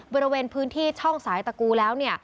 บริเวณพื้นที่ช่องสายตะกูแล้ว